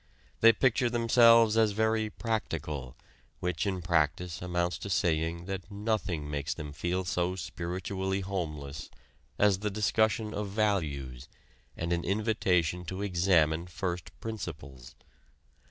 They picture themselves as very "practical," which in practice amounts to saying that nothing makes them feel so spiritually homeless as the discussion of values and an invitation to examine first principles.